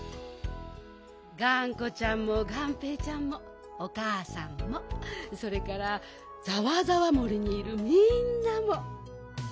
がんこちゃんもがんぺーちゃんもおかあさんもそれからざわざわ森にいるみんなも。